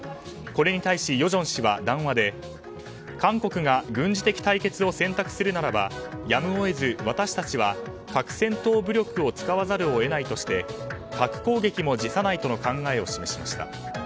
これに対し与正氏は、談話で韓国が軍事的対決を選択するならばやむを得ず私たちは核戦闘武力を使わざるを得ないとして核攻撃も辞さないとの考えを示しました。